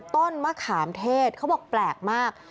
ต้นมะขามเทศเขาบอกแปลกมาก